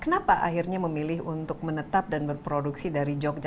kenapa akhirnya memilih untuk menetap dan berproduksi dari jogja